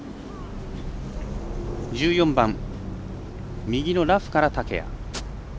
１４番、右のラフから竹谷。